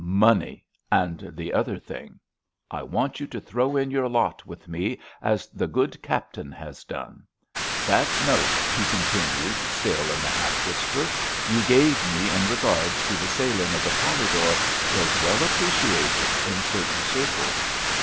Money—and the other thing. I want you to throw in your lot with me as the good Captain has done. That note," he continued, still in the half whisper, "you gave me in regard to the sailing of the Polydor was well appreciated in certain circles."